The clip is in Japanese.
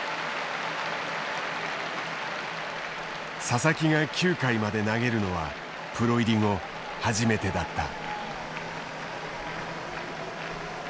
佐々木が９回まで投げるのはプロ入り後初めてだった。